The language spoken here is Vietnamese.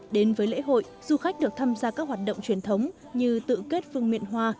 đến với lễ hội du khách được tham gia các hoạt động truyền thống như tự kết phương miện hoa